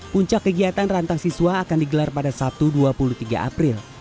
puncak kegiatan rantang siswa akan digelar pada sabtu dua puluh tiga april